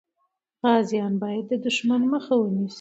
غازیان باید د دښمن مخه ونیسي.